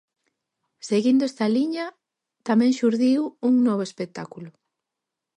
Seguindo esta liña, tamén xurdiu un novo espectáculo.